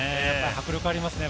迫力ありますね。